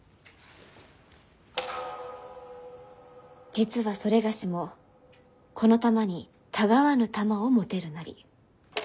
「実は某もこの玉に違わぬ玉を持てるなり。